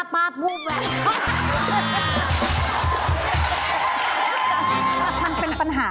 ถ้าฉันเป็นปัญหา